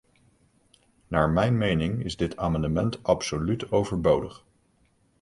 Naar mijn mening is dit amendement absoluut overbodig.